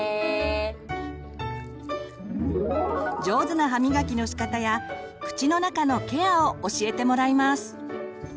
上手な歯みがきのしかたや口の中のケアを教えてもらいます。